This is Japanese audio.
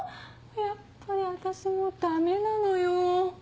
やっぱり私もうダメなのよ。